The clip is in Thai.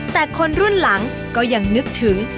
แต่คนรุ่นหลังก็ยังนึกถึง